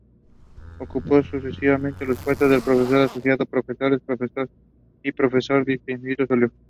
Ocupó sucesivamente los puestos de profesor asociado, profesor y profesor distinguido de zoología.